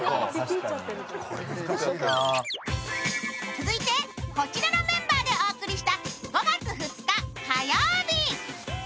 続いてこちらのメンバーでお送りした５月２日火曜日。